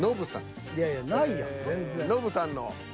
いやいやないやん全然。